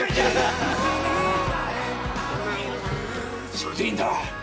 それでいいんだ！